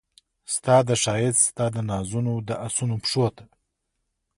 ستا د ښایست ستا دنازونو د اسونو پښو ته